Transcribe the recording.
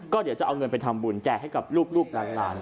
ก็เดี๋ยวเอาเงินไปทำบุญแจกให้รูปล้าง